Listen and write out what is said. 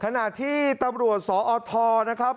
ขณะที่ตำรวจสอทนะครับ